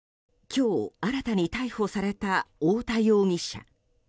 今日、新たに逮捕された太田容疑者。